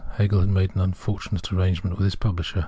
Hegel had made an unfortunate arrangement with his publisher.